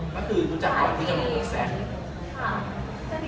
ก็คือรู้จักก่อนที่จะมีแสง